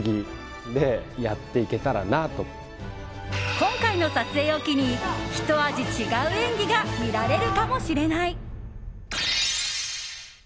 今回の撮影を機にひと味違う演技が見られるかもしれない。